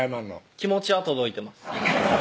気持ちは届いてます